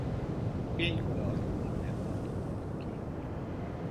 Fénykora azonban nem tartott örökké.